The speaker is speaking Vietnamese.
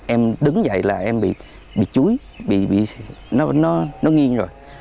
em đứng dậy là em bị chúi nó nghiêng rồi